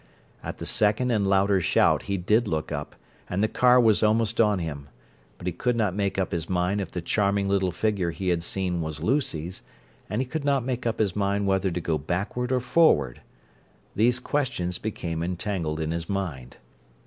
At the second and louder shout he did look up; and the car was almost on him; but he could not make up his mind if the charming little figure he had seen was Lucy's and he could not make up his mind whether to go backward or forward: these questions became entangled in his mind.